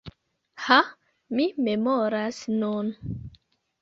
Ha, mi memoras nun.